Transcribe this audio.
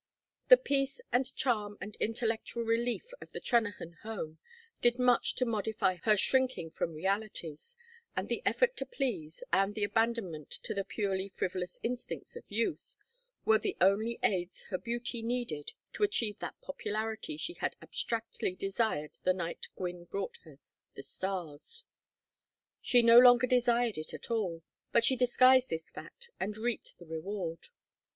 The peace and charm and intellectual relief of the Trennahan home did much to modify her shrinking from realities, and the effort to please, and the abandonment to the purely frivolous instincts of youth, were the only aides her beauty needed to achieve that popularity she had abstractly desired the night Gwynne brought her the stars. She no longer desired it at all, but she disguised this fact, and reaped the reward.